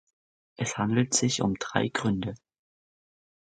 Es handelt sich um drei Gründe.